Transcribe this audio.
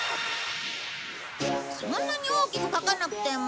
そんなに大きく描かなくても。